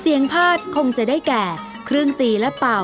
เสียงพาดคงจะได้แก่ครึ่งตีและเป่า